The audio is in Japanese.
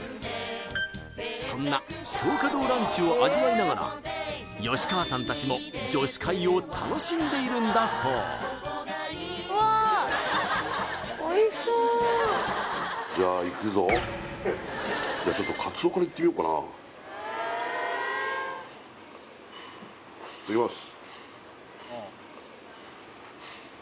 そんな松花堂ランチを味わいながら川さんたちも女子会を楽しんでいるんだそうじゃあちょっと鰹からいってみようかないただきます